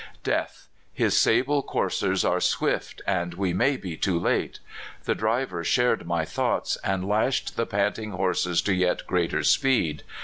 Death! his sable coursers are swift, and we may be too late ! The driver shared my thoughts, and lashed the panting horses to yet greater speed.